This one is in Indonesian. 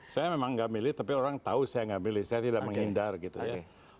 saya memang nggak milih tapi orang tahu saya nggak milih saya tidak menghindar gitu ya